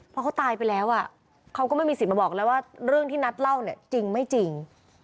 พอเขาตายไปแล้วเขาก็ไม่มีสิทธิ์มาบอกแล้วว่าเรื่องที่นัทเล่าเนี่ยจริงไม่จริง